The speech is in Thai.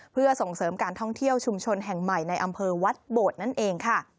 เพื่อส่งเสริมการท่องเที่ยวชุมชนแห่งใหม่ในอำเภอวัดโบดนั่นเองค่ะ